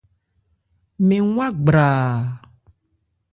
Mɛn wá gbraa.